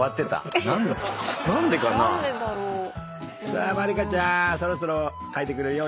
さあまりかちゃんそろそろ書いてくれるよ